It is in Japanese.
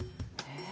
え⁉